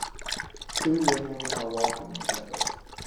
Two women are walking together.